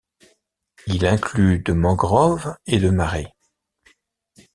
Il inclut de mangroves et de marais.